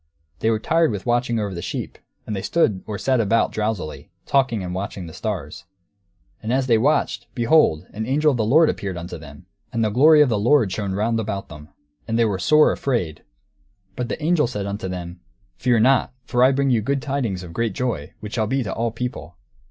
They were tired with watching over the sheep, and they stood or sat about, drowsily, talking and watching the stars. And as they watched, behold, an angel of the Lord appeared unto them! And the glory of the Lord shone round about them! And they were sore afraid. But the angel said unto them, "Fear not, for behold I bring you good tidings of great joy, which shall be to all people.